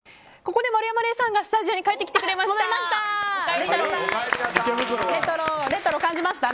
ここで丸山礼さんがスタジオに帰ってきてくれました。